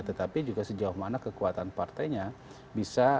tetapi juga sejauh mana kekuatan partainya bisa